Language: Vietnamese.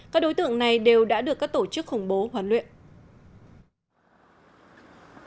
các đối tượng này đều đã được các tổ chức khủng bố huấn luyện